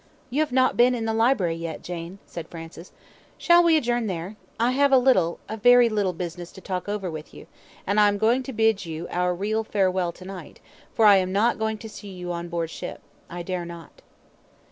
"You have not been in the library yet Jane," said Francis; "shall we adjourn there? I have a little, a very little business to talk over with you, and I am going to bid you our real farewell tonight, for I am not going to see you on board ship. I dare not."